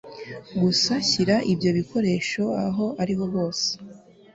Gusa shyira ibyo bikoresho aho ariho hose.